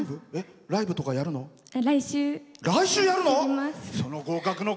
ライブとかやるの？